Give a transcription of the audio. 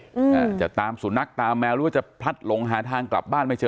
อ่าจะตามสุนัขตามแมวหรือว่าจะพลัดหลงหาทางกลับบ้านไม่เจอ